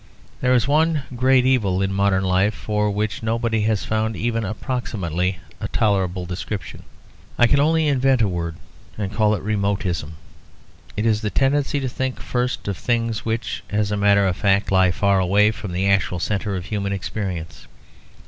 There is one great evil in modern life for which nobody has found even approximately a tolerable description: I can only invent a word and call it "remotism." It is the tendency to think first of things which, as a matter of fact, lie far away from the actual centre of human experience.